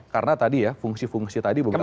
karena tadi ya fungsi fungsi tadi bergantung